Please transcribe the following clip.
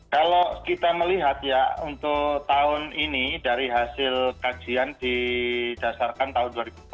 kalau kita melihat ya untuk tahun ini dari hasil kajian didasarkan